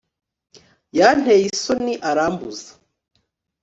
yanteye isoni, arambuza